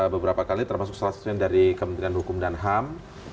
beberapa kali termasuk salah satunya dari kementerian hukum dan ham